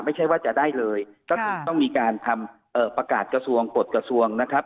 ไม่ใช่ว่าจะได้เลยก็คงต้องมีการทำเอ่อประกาศกระทรวงกฎกระทรวงนะครับ